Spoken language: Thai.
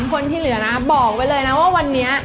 คนที่เหลือนะบอกไว้เลยนะว่าวันนี้